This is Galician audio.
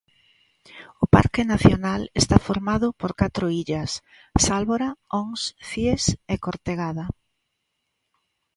O parque nacional está formado por catro illas: Sálvora, Ons, Cíes e Cortegada.